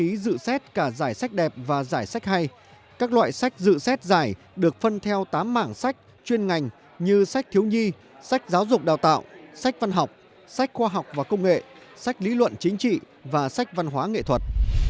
các ý dự xét cả giải sách đẹp và giải sách hay các loại sách dự xét giải được phân theo tám mảng sách chuyên ngành như sách thiếu nhi sách giáo dục đào tạo sách văn học sách khoa học và công nghệ sách lý luận chính trị và sách văn hóa nghệ thuật